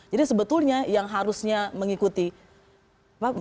jadi sebetulnya yang harus diingat adalah